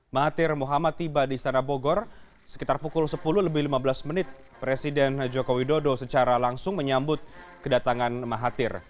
mahathir muhammad tiba di istana bogor sekitar pukul sepuluh lebih lima belas menit presiden joko widodo secara langsung menyambut kedatangan mahathir